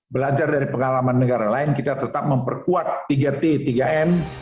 belajar dari pengalaman negara lain kita tetap memperkuat tiga t tiga m